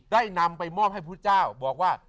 ได้นำไปมอบให้พุทธเจ้าบอกว่า